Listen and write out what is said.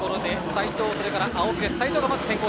斎藤がまず先行。